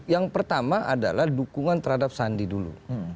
yang pertama adalah dukungan terhadap sandi dulu